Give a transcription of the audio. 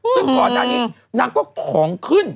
ซึ่งก่อนหน้านี้นางก็ของขึ้น